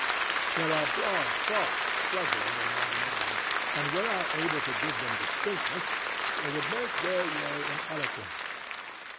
There are broad thoughts struggling in my mind, and, were I able to give them distinctness, they would make their way in eloquence.